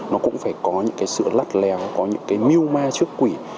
nó cũng phải có những cái sự lắt lèo có những cái mưu ma trước quỷ